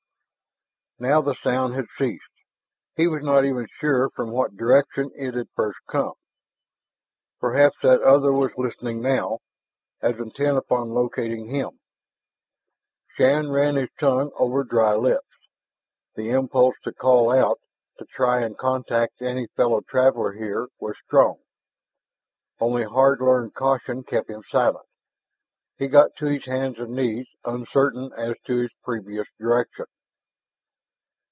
Now the sound had ceased. He was not even sure from what direction it had first come. Perhaps that other was listening now, as intent upon locating him. Shann ran his tongue over dry lips. The impulse to call out, to try and contact any fellow traveler here, was strong. Only hard learned caution kept him silent. He got to his hands and knees, uncertain as to his previous direction.